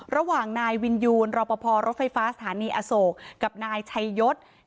ระหว่างนายวินยูนรอปภรถไฟฟ้าสถานีอโศกกับนายชัยยศ